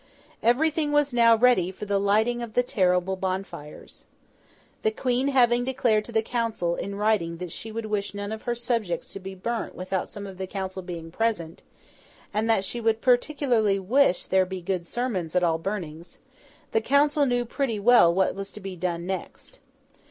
Everything was now ready for the lighting of the terrible bonfires. The Queen having declared to the Council, in writing, that she would wish none of her subjects to be burnt without some of the Council being present, and that she would particularly wish there to be good sermons at all burnings, the Council knew pretty well what was to be done next.